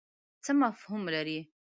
څه مفهوم لري.